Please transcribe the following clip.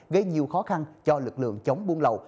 gây nhiều khó khăn cho lực lượng chống buôn lậu